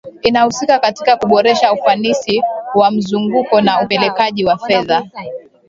inahusika katika kuboresha ufanisi wa mzunguko na upelekaji wa fedha